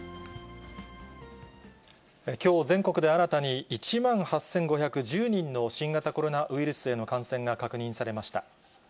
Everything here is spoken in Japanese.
きょう全国で新たに、１万８５１０人の新型コロナウイルスへの感染が確認されました。